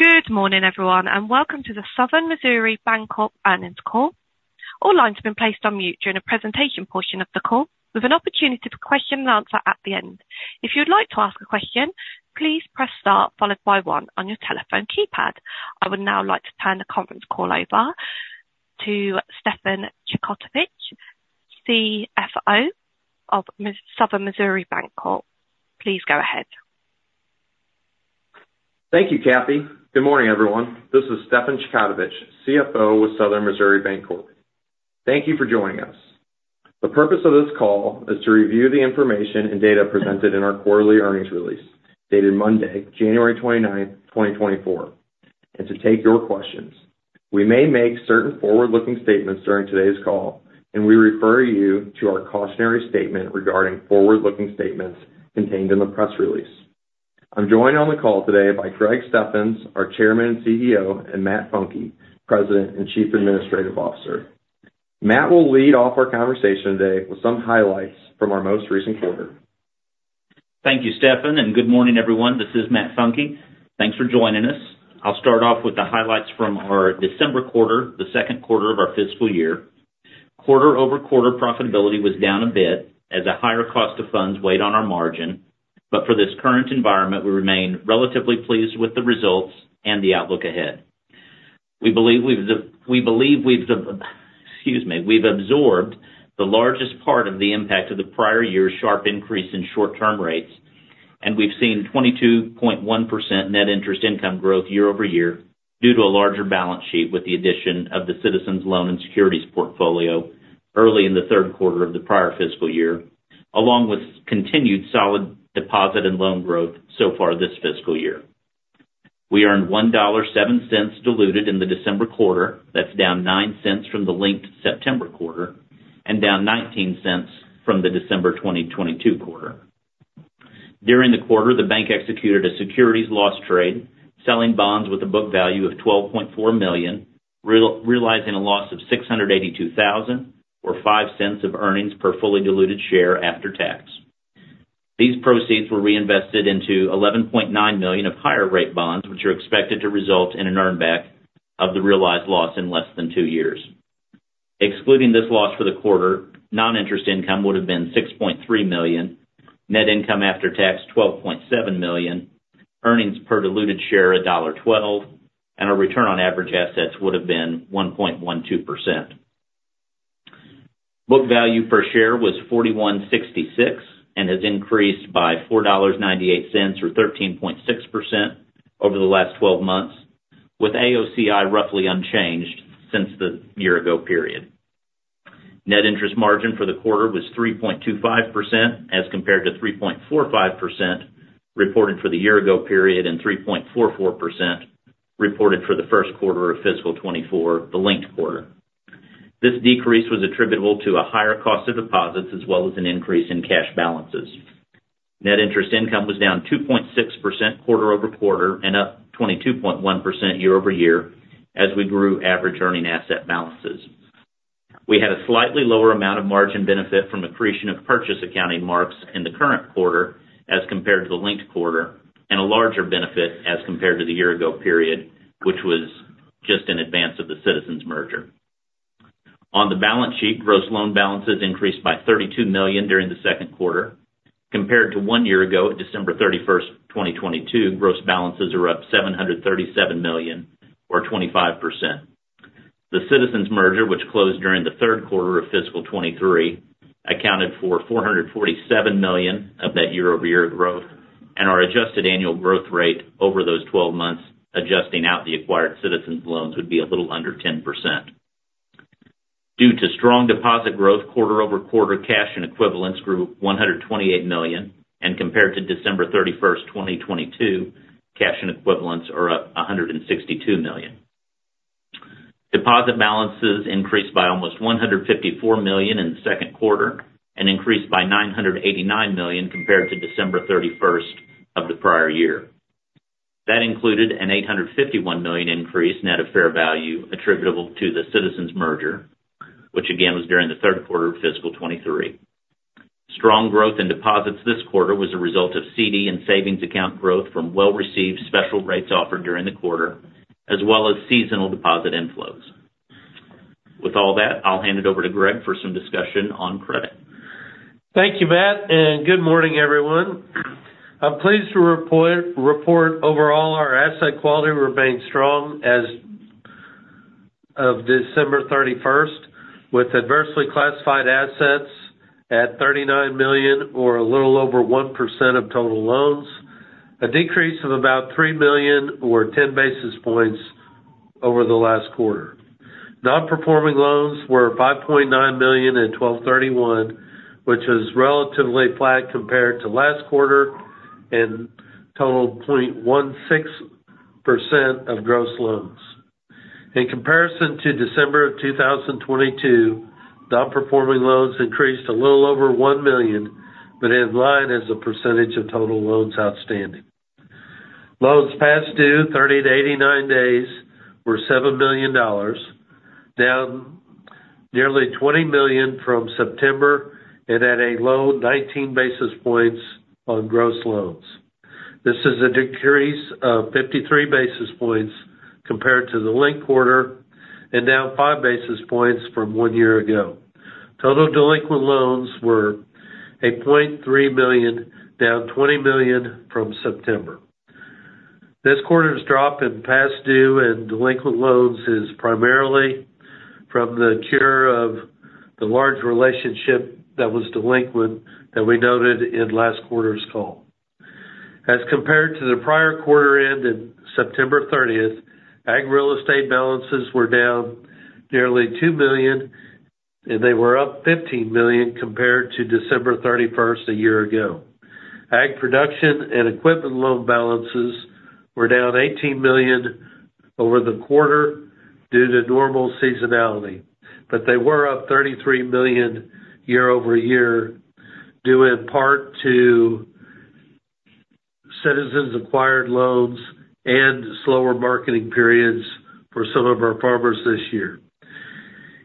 Good morning, everyone, and welcome to the Southern Missouri Bancorp earnings call. All lines have been placed on mute during the presentation portion of the call, with an opportunity for question and answer at the end. If you'd like to ask a question, please press star, followed by one on your telephone keypad. I would now like to turn the conference call over to Stefan Chkautovich, CFO of Southern Missouri Bancorp. Please go ahead. Thank you, Kathy. Good morning, everyone. This is Stefan Chkautovich, CFO with Southern Missouri Bancorp. Thank you for joining us. The purpose of this call is to review the information and data presented in our quarterly earnings release, dated Monday, January 29th, 2024, and to take your questions. We may make certain forward-looking statements during today's call, and we refer you to our cautionary statement regarding forward-looking statements contained in the press release. I'm joined on the call today by Greg Steffens, our Chairman and CEO, and Matt Funke, President and Chief Administrative Officer. Matt will lead off our conversation today with some highlights from our most recent quarter. Thank you, Stefan, and good morning, everyone. This is Matt Funke. Thanks for joining us. I'll start off with the highlights from our December quarter, the second quarter of our fiscal year. Quarter-over-quarter profitability was down a bit as a higher cost of funds weighed on our margin. But for this current environment, we remain relatively pleased with the results and the outlook ahead. We believe we've absorbed the largest part of the impact of the prior year's sharp increase in short-term rates, and we've seen 22.1% net interest income growth year-over-year, due to a larger balance sheet with the addition of the Citizens loan and securities portfolio early in the third quarter of the prior fiscal year, along with continued solid deposit and loan growth so far this fiscal year. We earned $1.07 diluted in the December quarter. That's down $0.09 from the linked September quarter and down $0.19 from the December 2022 quarter. During the quarter, the bank executed a securities loss trade, selling bonds with a book value of $12.4 million, realizing a loss of $682,000 or $0.05 of earnings per fully diluted share after tax. These proceeds were reinvested into $11.9 million of higher rate bonds, which are expected to result in an earn back of the realized loss in less than two years. Excluding this loss for the quarter, non-interest income would have been $6.3 million, net income after tax, $12.7 million, earnings per diluted share, $1.12, and our return on average assets would have been 1.12%. Book value per share was $41.66 and has increased by $4.98, or 13.6% over the last 12 months, with AOCI roughly unchanged since the year ago period. Net interest margin for the quarter was 3.25%, as compared to 3.45% reported for the year ago period, and 3.44% reported for the first quarter of fiscal 2024, the linked quarter. This decrease was attributable to a higher cost of deposits as well as an increase in cash balances. Net interest income was down 2.6% quarter-over-quarter and up 22.1% year-over-year as we grew average earning asset balances. We had a slightly lower amount of margin benefit from accretion of purchase accounting marks in the current quarter as compared to the linked quarter, and a larger benefit as compared to the year ago period, which was just in advance of the Citizens merger. On the balance sheet, gross loan balances increased by $32 million during the second quarter. Compared to one year ago, December 31st, 2022, gross balances are up $737 million, or 25%. The Citizens merger, which closed during the third quarter of fiscal 2023, accounted for $447 million of that year-over-year growth, and our adjusted annual growth rate over those 12 months, adjusting out the acquired Citizens loans, would be a little under 10%. Due to strong deposit growth quarter-over-quarter, cash and equivalents grew $128 million, and compared to December 31st, 2022, cash and equivalents are up $162 million. Deposit balances increased by almost $154 million in the second quarter and increased by $989 million compared to December 31st of the prior year. That included an $851 million increase net of fair value attributable to the Citizens merger, which again was during the third quarter of fiscal 2023. Strong growth in deposits this quarter was a result of CD and savings account growth from well-received special rates offered during the quarter, as well as seasonal deposit inflows. With all that, I'll hand it over to Greg for some discussion on credit. Thank you, Matt, and good morning, everyone. I'm pleased to report overall, our asset quality remains strong as of December 31st, with adversely classified assets at $39 million or a little over 1% of total loans, a decrease of about $3 million, or 10 basis points over the last quarter. Non-performing loans were $5.9 million in 12/31, which is relatively flat compared to last quarter and totaled 0.16% of gross loans. In comparison to December 2022, non-performing loans increased a little over $1 million, but in line as a percentage of total loans outstanding. Loans past due 30-89 days were $7 million, down nearly $20 million from September and at a low 19 basis points on gross loans. This is a decrease of 53 basis points compared to the linked quarter and down 5 basis points from one year ago. Total delinquent loans were $0.3 million, down $20 million from September. This quarter's drop in past due and delinquent loans is primarily from the cure of the large relationship that was delinquent, that we noted in last quarter's call. As compared to the prior quarter end in September 30th, ag real estate balances were down nearly $2 million, and they were up $15 million compared to December 31st a year ago. Ag production and equipment loan balances were down $18 million over the quarter due to normal seasonality, but they were up $33 million year-over-year, due in part to Citizens acquired loans and slower marketing periods for some of our farmers this year.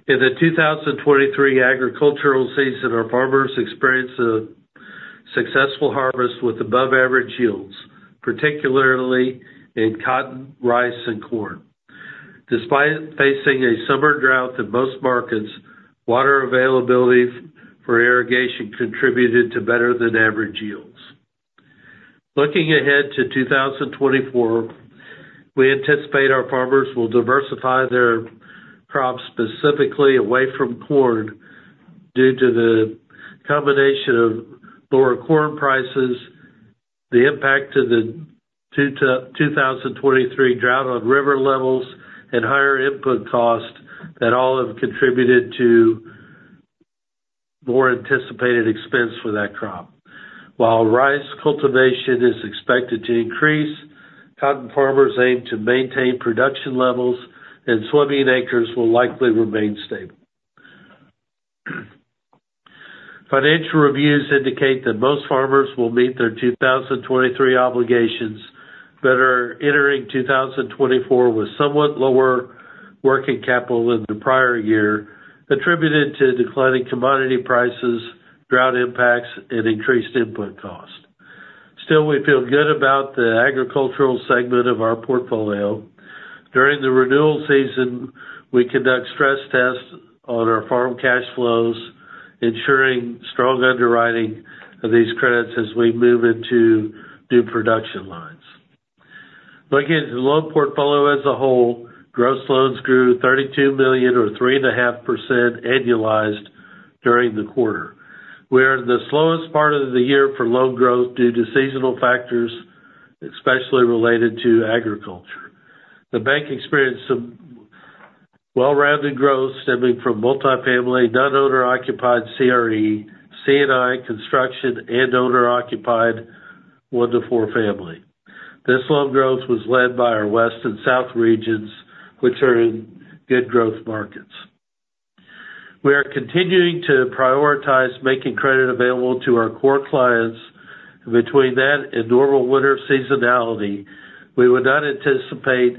In the 2023 agricultural season, our farmers experienced a successful harvest with above-average yields, particularly in cotton, rice, and corn. Despite facing a summer drought in most markets, water availability for irrigation contributed to better than average yields. Looking ahead to 2024, we anticipate our farmers will diversify their crops, specifically away from corn, due to the combination of lower corn prices, the impact of the 2023 drought on river levels, and higher input costs that all have contributed to more anticipated expense for that crop. While rice cultivation is expected to increase, cotton farmers aim to maintain production levels and soybean acres will likely remain stable. Financial reviews indicate that most farmers will meet their 2023 obligations, but are entering 2024 with somewhat lower working capital than the prior year, attributed to declining commodity prices, drought impacts, and increased input costs. Still, we feel good about the agricultural segment of our portfolio. During the renewal season, we conduct stress tests on our farm cash flows, ensuring strong underwriting of these credits as we move into new production lines. Looking at the loan portfolio as a whole, gross loans grew $32 million or 3.5% annualized during the quarter. We are in the slowest part of the year for loan growth due to seasonal factors, especially related to agriculture. The bank experienced some well-rounded growth stemming from multifamily, non-owner-occupied CRE, C&I, construction, and owner-occupied one to four family. This loan growth was led by our West and South regions, which are in good growth markets. We are continuing to prioritize making credit available to our core clients. Between that and normal winter seasonality, we would not anticipate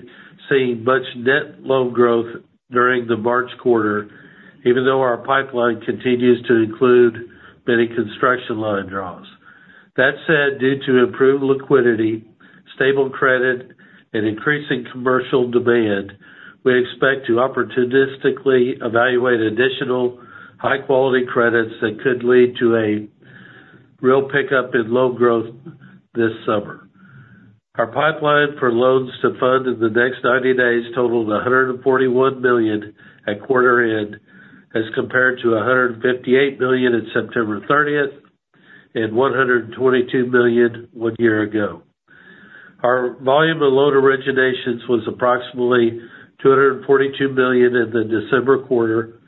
seeing much net loan growth during the March quarter, even though our pipeline continues to include many construction line draws. That said, due to improved liquidity, stable credit, and increasing commercial demand, we expect to opportunistically evaluate additional high-quality credits that could lead to a real pickup in loan growth this summer. Our pipeline for loans to fund in the next 90 days totaled $141 million at quarter end, as compared to $158 million at September 30th and $122 million one year ago. Our volume of loan originations was approximately $242 million in the December quarter,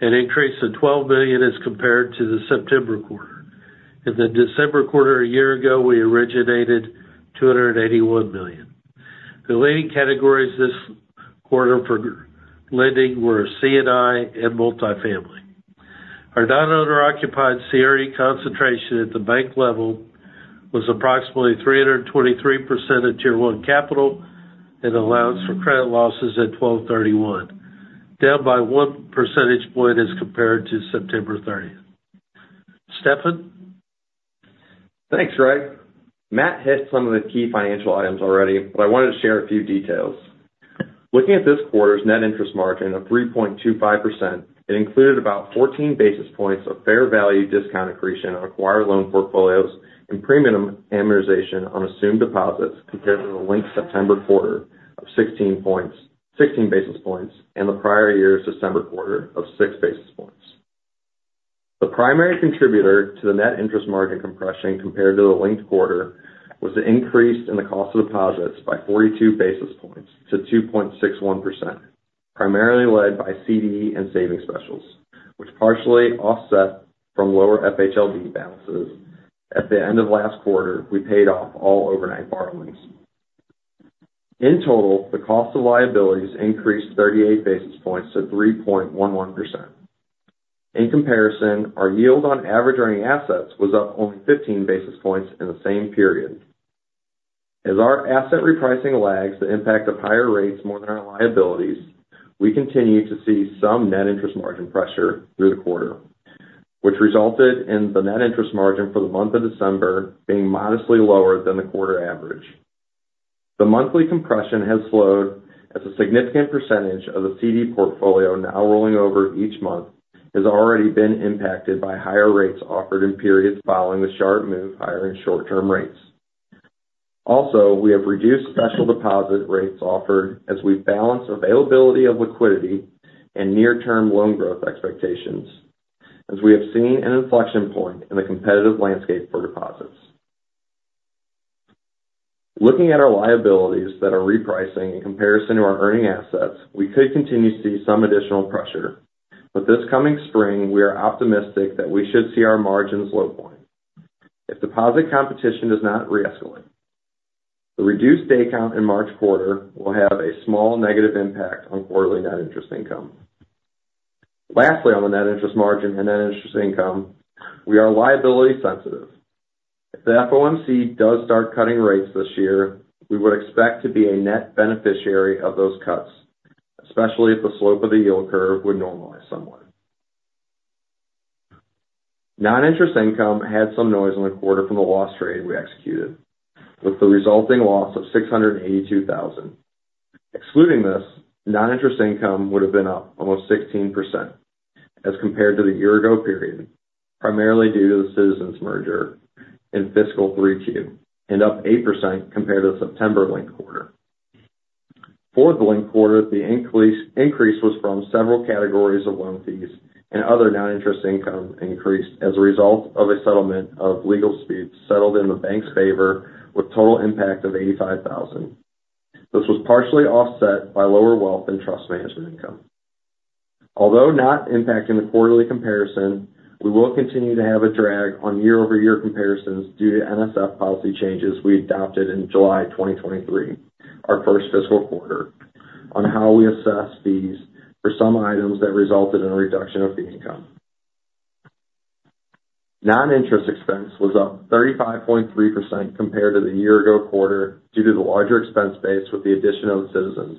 an increase of $12 million as compared to the September quarter. In the December quarter a year ago, we originated $281 million. The leading categories this quarter for lending were C&I and multifamily. Our non-owner-occupied CRE concentration at the bank level was approximately 323% of Tier One capital and allowance for credit losses at 12/31, down by 1 percentage point as compared to September 30th. Stefan? Thanks, Greg. Matt hit some of the key financial items already, but I wanted to share a few details. Looking at this quarter's net interest margin of 3.25%, it included about 14 basis points of fair value discount accretion on acquired loan portfolios and premium amortization on assumed deposits compared to the linked September quarter of 16 basis points and the prior year's December quarter of 6 basis points. The primary contributor to the net interest margin compression compared to the linked quarter, was the increase in the cost of deposits by 42 basis points to 2.61%, primarily led by CD and savings specials, which partially offset from lower FHLB balances. At the end of last quarter, we paid off all overnight borrowings. In total, the cost of liabilities increased 38 basis points to 3.11%. In comparison, our yield on average earning assets was up only 15 basis points in the same period. As our asset repricing lags the impact of higher rates more than our liabilities, we continue to see some net interest margin pressure through the quarter, which resulted in the net interest margin for the month of December being modestly lower than the quarter average. The monthly compression has slowed as a significant percentage of the CD portfolio now rolling over each month has already been impacted by higher rates offered in periods following the sharp move higher in short-term rates. Also, we have reduced special deposit rates offered as we balance availability of liquidity and near-term loan growth expectations, as we have seen an inflection point in the competitive landscape for deposits. Looking at our liabilities that are repricing in comparison to our earning assets, we could continue to see some additional pressure, but this coming spring, we are optimistic that we should see our margins low point if deposit competition does not re-escalate. The reduced day count in March quarter will have a small negative impact on quarterly net interest income. Lastly, on the net interest margin and net interest income, we are liability sensitive. If the FOMC does start cutting rates this year, we would expect to be a net beneficiary of those cuts, especially if the slope of the yield curve would normalize somewhat. Non-interest income had some noise in the quarter from the loss trade we executed, with the resulting loss of $682,000. Excluding this, non-interest income would have been up almost 16% as compared to the year ago period, primarily due to the Citizens merger in fiscal 3Q, and up 8% compared to the September linked quarter. For the linked quarter, the increase was from several categories of loan fees and other non-interest income increased as a result of a settlement of legal suits settled in the bank's favor, with total impact of $85,000. This was partially offset by lower wealth and trust management income. Although not impacting the quarterly comparison, we will continue to have a drag on year-over-year comparisons due to NSF policy changes we adopted in July 2023, our first fiscal quarter, on how we assess these for some items that resulted in a reduction of the income. Non-interest expense was up 35.3% compared to the year ago quarter, due to the larger expense base with the addition of the Citizens,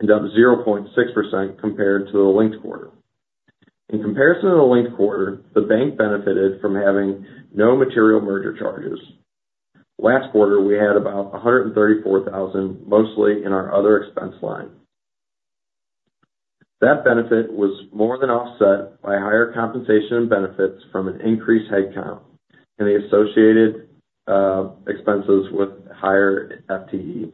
and up 0.6% compared to the linked quarter. In comparison to the linked quarter, the bank benefited from having no material merger charges. Last quarter, we had about $134,000, mostly in our other expense line. That benefit was more than offset by higher compensation and benefits from an increased headcount and the associated expenses with higher FTE.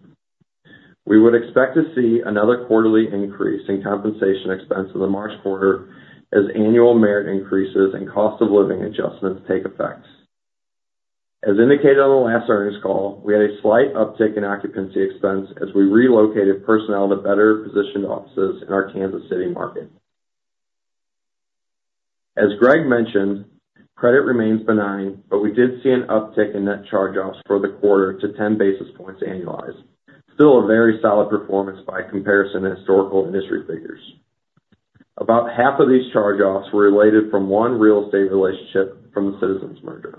We would expect to see another quarterly increase in compensation expense in the March quarter as annual merit increases and cost of living adjustments take effect. As indicated on the last earnings call, we had a slight uptick in occupancy expense as we relocated personnel to better positioned offices in our Kansas City market. As Greg mentioned, credit remains benign, but we did see an uptick in net charge-offs for the quarter to 10 basis points annualized. Still a very solid performance by comparison to historical industry figures. About half of these charge-offs were related from one real estate relationship from the Citizens merger.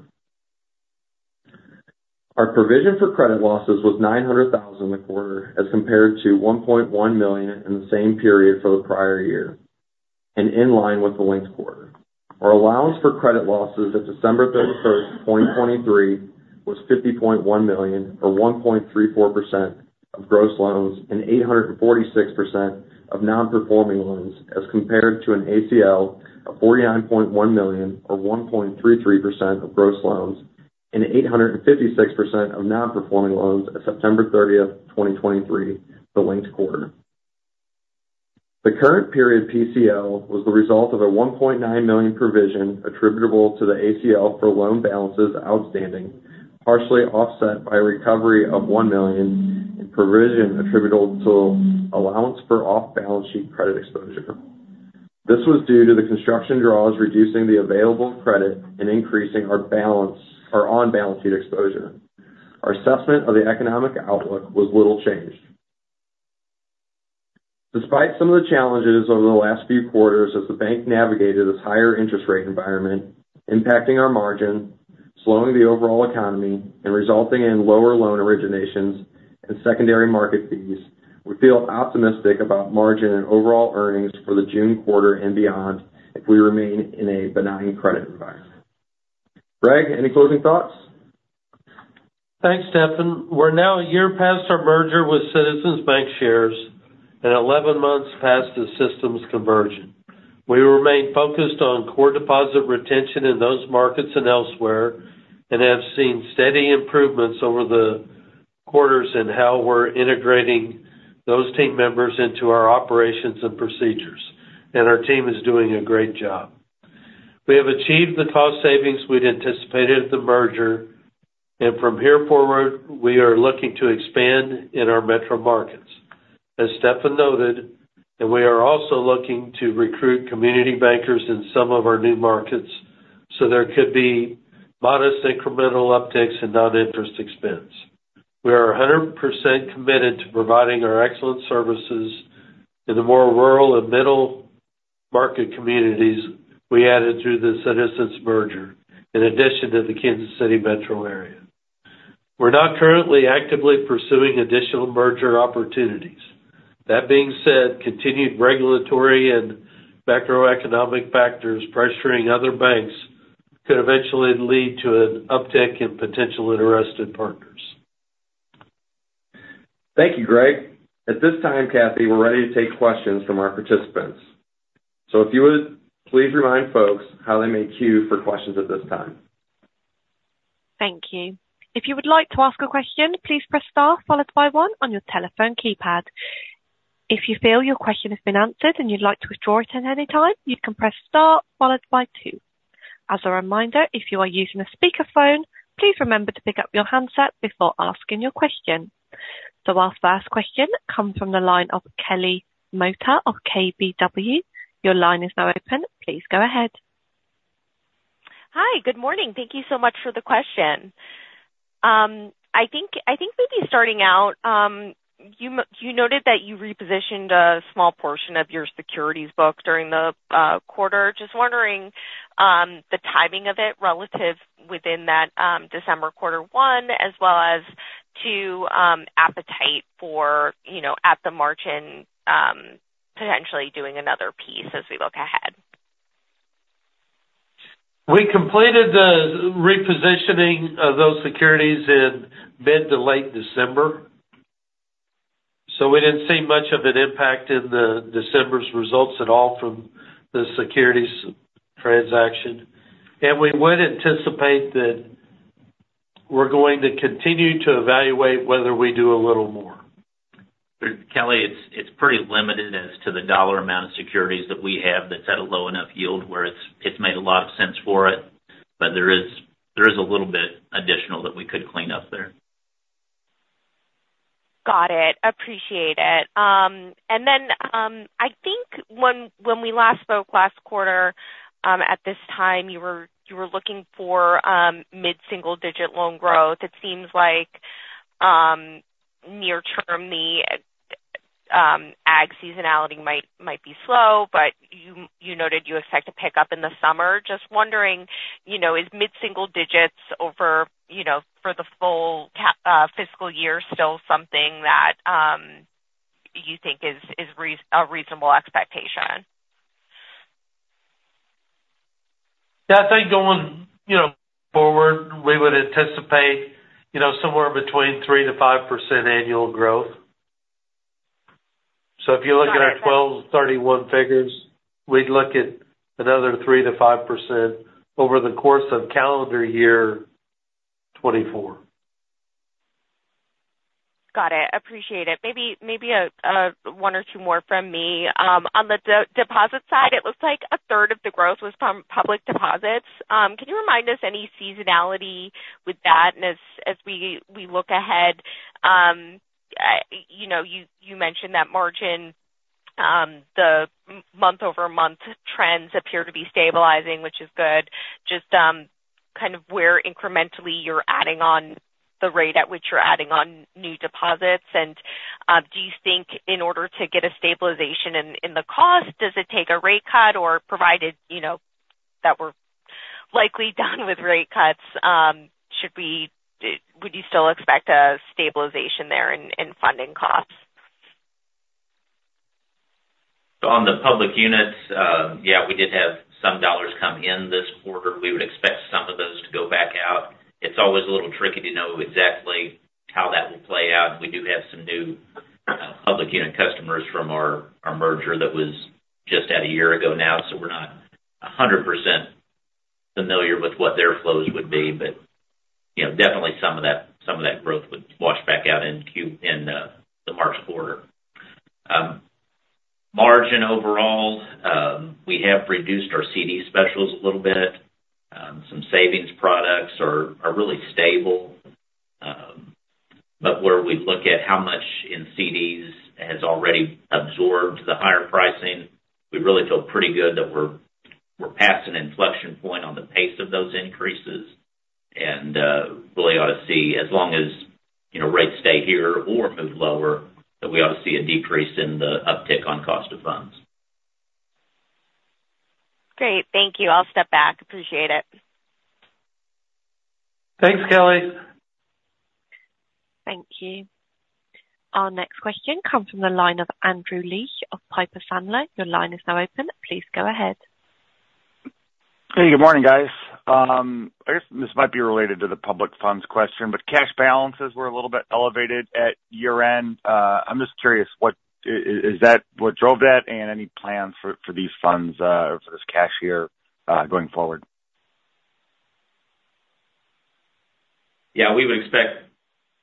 Our provision for credit losses was $900,000 in the quarter, as compared to $1.1 million in the same period for the prior year, and in line with the linked quarter. Our allowance for credit losses as of December 31st, 2023, was $50.1 million, or 1.34% of gross loans and 846% of non-performing loans, as compared to an ACL of $49.1 million, or 1.33% of gross loans, and 856% of non-performing loans as of September 30th, 2023, the linked quarter. The current period PCL was the result of a $1.9 million provision attributable to the ACL for loan balances outstanding, partially offset by a recovery of $1 million in provision attributable to allowance for off-balance sheet credit exposure. This was due to the construction draws, reducing the available credit and increasing our on-balance sheet exposure. Our assessment of the economic outlook was little changed. Despite some of the challenges over the last few quarters as the bank navigated this higher interest rate environment, impacting our margin, slowing the overall economy, and resulting in lower loan originations and secondary market fees, we feel optimistic about margin and overall earnings for the June quarter and beyond, if we remain in a benign credit environment. Greg, any closing thoughts? Thanks, Stefan. We're now a year past our merger with Citizens Bancshares and 11 months past the systems conversion. We remain focused on core deposit retention in those markets and elsewhere, and have seen steady improvements over the quarters in how we're integrating those team members into our operations and procedures, and our team is doing a great job. We have achieved the cost savings we'd anticipated at the merger, and from here forward, we are looking to expand in our metro markets, as Stefan noted, and we are also looking to recruit community bankers in some of our new markets, so there could be modest incremental upticks in non-interest expense. We are 100% committed to providing our excellent services in the more rural and middle-market communities we added through the Citizens merger, in addition to the Kansas City metro area. We're not currently actively pursuing additional merger opportunities. That being said, continued regulatory and macroeconomic factors pressuring other banks could eventually lead to an uptick in potential interested partners. Thank you, Greg. At this time, Kathy, we're ready to take questions from our participants. If you would please remind folks how they may queue for questions at this time. Thank you. If you would like to ask a question, please press star followed by one on your telephone keypad. If you feel your question has been answered and you'd like to withdraw it at any time, you can press star followed by two. As a reminder, if you are using a speakerphone, please remember to pick up your handset before asking your question. The first question comes from the line of Kelly Motta of KBW. Your line is now open. Please go ahead. Hi, good morning. Thank you so much for the question. I think maybe starting out, you noted that you repositioned a small portion of your securities book during the quarter. Just wondering, the timing of it relative within that December quarter one, as well as to appetite for, you know, at the margin, potentially doing another piece as we look ahead. We completed the repositioning of those securities in mid to late December, so we didn't see much of an impact in the December's results at all from the securities transaction. We would anticipate that we're going to continue to evaluate whether we do a little more. Kelly, it's pretty limited as to the dollar amount of securities that we have that's at a low enough yield where it's made a lot of sense for it, but there is a little bit additional that we could clean up there. Got it. Appreciate it. And then, I think when we last spoke last quarter, at this time, you were looking for mid-single-digit loan growth. It seems like near term, the ag seasonality might be slow, but you noted you expect to pick up in the summer. Just wondering, you know, is mid-single digits over, you know, for the full fiscal year, still something that you think is a reasonable expectation? Yeah, I think going, you know, forward, we would anticipate, you know, somewhere between 3%-5% annual growth. So if you look at our 12/31 figures, we'd look at another 3%-5% over the course of calendar year 2024. Got it. Appreciate it. Maybe, maybe, one or two more from me. On the deposit side, it looks like a third of the growth was from public deposits. Can you remind us any seasonality with that? And as we look ahead, you know, you mentioned that margin, the month-over-month trends appear to be stabilizing, which is good. Just kind of where incrementally you're adding on the rate at which you're adding on new deposits, and do you think in order to get a stabilization in the cost, does it take a rate cut or provided you know that we're likely done with rate cuts? Would you still expect a stabilization there in funding costs? So on the public units, yeah, we did have some dollars come in this quarter. We would expect some of those to go back out. It's always a little tricky to know exactly how that will play out. We do have some new public unit customers from our, our merger that was just a year ago now, so we're not 100% familiar with what their flows would be. But, you know, definitely some of that, some of that growth would wash back out in Q- in the March quarter. Margin overall, we have reduced our CD specials a little bit. Some savings products are, are really stable. But where we look at how much in CDs has already absorbed the higher pricing, we really feel pretty good that we're past an inflection point on the pace of those increases and really ought to see, as long as, you know, rates stay here or move lower, that we ought to see a decrease in the uptick on cost of funds. Great. Thank you. I'll step back. Appreciate it. Thanks, Kelly. Thank you. Our next question comes from the line of Andrew Liesch of Piper Sandler. Your line is now open. Please go ahead. Hey, good morning, guys. I guess this might be related to the public funds question, but cash balances were a little bit elevated at year-end. I'm just curious, is that what drove that and any plans for these funds or for this cash here going forward? Yeah, we would expect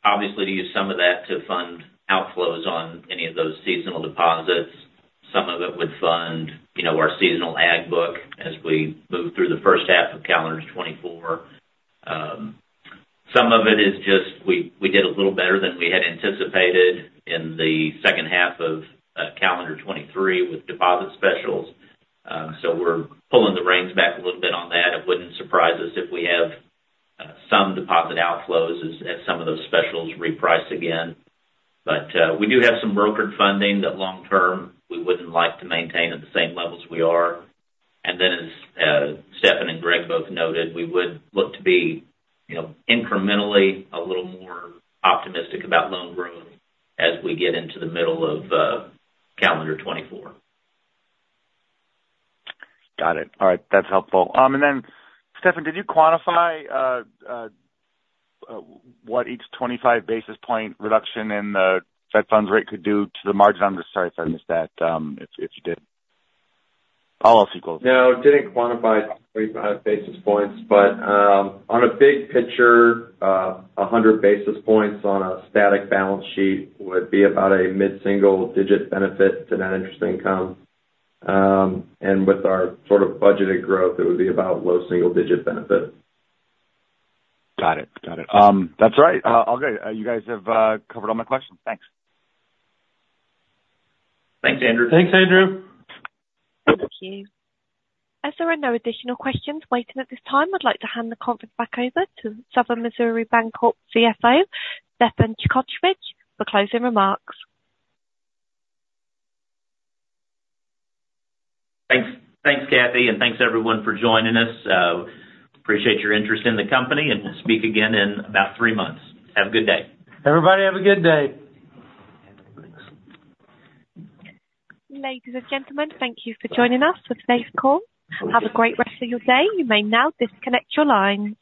obviously to use some of that to fund outflows on any of those seasonal deposits. Some of it would fund, you know, our seasonal ag book as we move through the first half of calendar 2024. Some of it is just we did a little better than we had anticipated in the second half of calendar 2023 with deposit specials. So we're pulling the reins back a little bit on that. It wouldn't surprise us if we have some deposit outflows as some of those specials reprice again. But we do have some brokered funding that long term, we wouldn't like to maintain at the same levels we are. And then as Stefan and Greg both noted, we would look to be, you know, incrementally a little more optimistic about loan growth as we get into the middle of calendar 2024. Got it. All right. That's helpful. And then, Stefan, did you quantify what each 25 basis point reduction in the Fed funds rate could do to the margin? I'm just sorry if I missed that, if, if you did. All else equals. No, didn't quantify 25 basis points, but, on a big picture, a 100 basis points on a static balance sheet would be about a mid-single digit benefit to net interest income. And with our sort of budgeted growth, it would be about low single-digit benefit. Got it. Got it. That's all right. Okay, you guys have covered all my questions. Thanks. Thanks, Andrew. Thanks, Andrew. Thank you. As there are no additional questions waiting at this time, I'd like to hand the conference back over to Southern Missouri Bancorp CFO, Stefan Chkautovich, for closing remarks. Thanks. Thanks, Kathy, and thanks everyone for joining us. Appreciate your interest in the company, and we'll speak again in about three months. Have a good day. Everybody, have a good day. Ladies and gentlemen, thank you for joining us for today's call. Have a great rest of your day. You may now disconnect your lines.